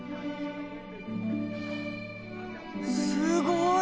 すごい！